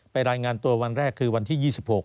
รายงานตัววันแรกคือวันที่๒๖